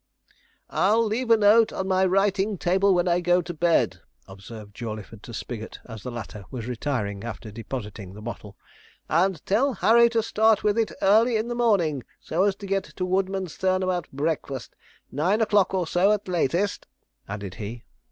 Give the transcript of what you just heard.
'I'll leave a note on my writing table when I go to bed,' observed Jawleyford to Spigot, as the latter was retiring after depositing the bottle; 'and tell Harry to start with it early in the morning, so as to get to Woodmansterne about breakfast nine o'clock, or so, at latest,' added he.